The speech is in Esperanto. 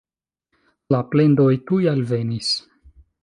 La plendoj tuj alvenis.